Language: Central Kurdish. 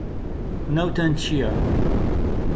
ناوتان چییە؟